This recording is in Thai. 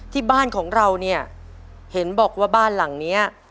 ที่บ้านของเราเนี่ยเห็นบอกว่าบ้านหลังนี้